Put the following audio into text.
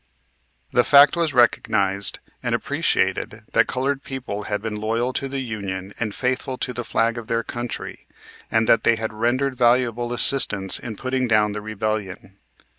The fact was recognized and appreciated that the colored people had been loyal to the Union and faithful to the flag of their country and that they had rendered valuable assistance in putting down the rebellion.